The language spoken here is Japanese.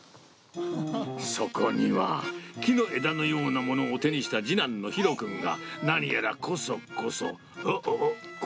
そこには、木の枝のようなものを手にした次男の紘君が、何やらこそこそ。